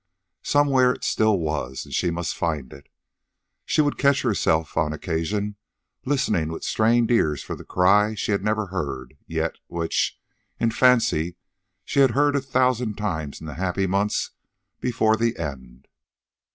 Somewhere it still was, and she must find it. She would catch herself, on occasion, listening with strained ears for the cry she had never heard, yet which, in fancy, she had heard a thousand times in the happy months before the end.